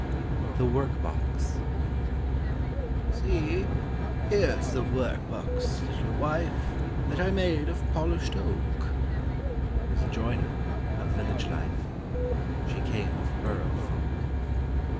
THE WORKBOX "SEE, here's the workbox, little wife, That I made of polished oak." He was a joiner, of village life; She came of borough folk.